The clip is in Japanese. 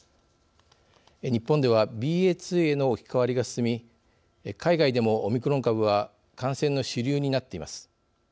日本ではＢＡ．２への置き換わりが進み海外でもオミクロン株は感染の主流になっています。